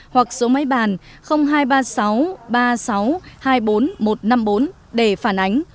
hoặc số máy bàn hai trăm ba mươi sáu ba mươi sáu hai mươi bốn một trăm năm mươi bốn để phản ánh